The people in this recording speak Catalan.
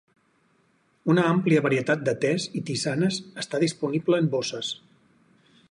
Una àmplia varietat de tes i tisanes està disponible en bosses.